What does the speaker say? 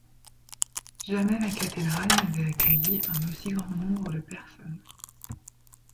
Jamais la cathédrale n'avait accueilli un aussi grand nombre de personnes.